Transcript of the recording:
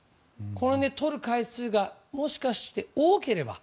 この辺でとる回数がもしかして多ければ。